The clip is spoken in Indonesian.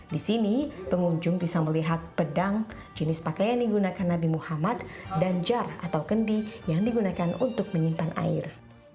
di sini pengunjung bisa melihat pedang jenis pakaian yang digunakan nabi muhammad dan jar atau kendi yang digunakan untuk menyimpan air